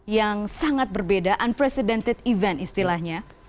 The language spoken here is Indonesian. yang sangat berbeda unprecedented event istilahnya